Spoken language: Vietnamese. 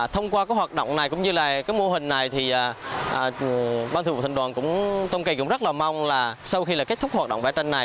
thông qua hoạt động này cũng như mô hình này thì ban thủ vụ thành đoàn tam kỳ cũng rất là mong là sau khi kết thúc hoạt động vẽ tranh này